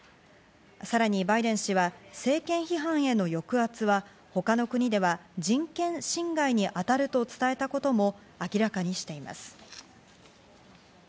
さらにバイデン氏は、政権批判への抑圧は、他の国では人権侵害にあたると伝えたことも明らかにしています。